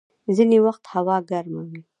ځيني وخت هوا ګرمه وي.